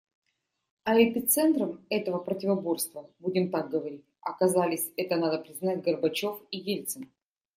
А эпицентром этого противоборства, будем так говорить, оказались, это надо признать, Горбачев и Ельцин.